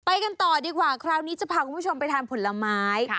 กันต่อดีกว่าคราวนี้จะพาคุณผู้ชมไปทานผลไม้